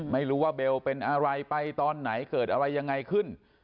ไม่รู้ว่าเบลเป็นอะไรไปตอนไหนเกิดอะไรยังไงขึ้น